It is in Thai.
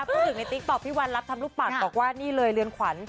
พูดถึงในติ๊กต๊อกพี่วันรับทำลูกปัดบอกว่านี่เลยเรือนขวัญ